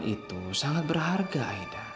cincin pertunangan itu sangat berharga aida